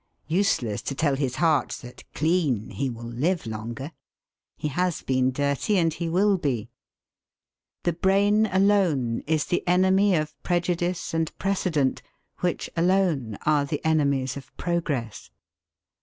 Useless to tell his heart that, clean, he will live longer! He has been dirty and he will be. The brain alone is the enemy of prejudice and precedent, which alone are the enemies of progress.